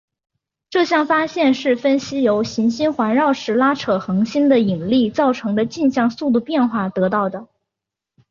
这项发现是分析由行星环绕时拉扯恒星的引力造成的径向速度变化得到的。